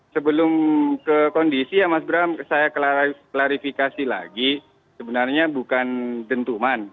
sebelum ke kondisi ya mas bram saya klarifikasi lagi sebenarnya bukan dentuman